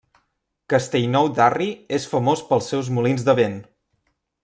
Castellnou d'Arri és famós pels seus molins de vent.